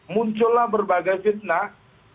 muncullah berbagai fitnah